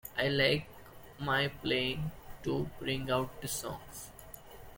I like my playing to bring out the songs.